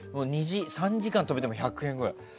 ３時間止めても１００円くらい。